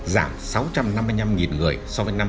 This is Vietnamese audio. giảm sáu trăm năm mươi năm người so với năm hai nghìn một mươi tám